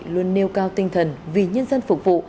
luôn nêu cao tinh thần vì nhân dân phục vụ